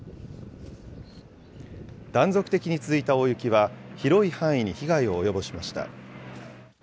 断続的に続いた大雪は、広い範囲に被害を及ぼしました。